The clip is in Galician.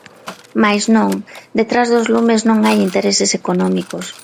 Mais non, detrás dos lumes non hai "intereses económicos".